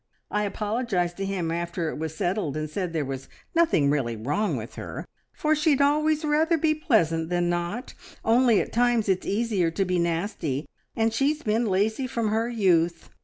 I apologised to him after it was settled and said there was nothing really wrong with her, for she'd always rather be pleasant than not, only at times it's easier to be nasty, and she's been lazy from her youth.